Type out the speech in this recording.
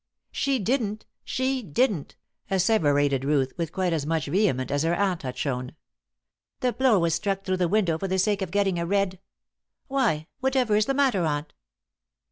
"She didn't she didn't," asseverated Ruth, with quite as much vehemence as her aunt had shewn. "The blow was struck through the window for the sake of getting a red Why, whatever is the matter, aunt?"